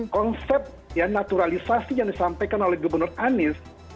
konsep naturalisasi yang disampaikan oleh gubernur anies